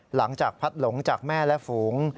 หลังจากพัดหลงจากแม่และฝูง